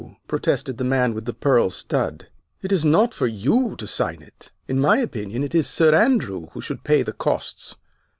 protested the man with the pearl stud, "it is not for you to sign it. In my opinion it is Sir Andrew who should pay the costs.